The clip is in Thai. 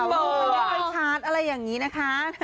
ไม่ได้ไปชาร์จอะไรอย่างนี้นะคะ